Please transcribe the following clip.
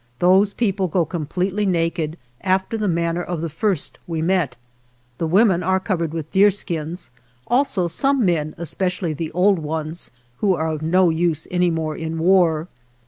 Those people go com pletely naked, after the manner of the first we met. The women are covered with deer skins, also some men, especially the old ones, who are of no use any more in war.